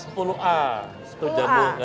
jamu galian putri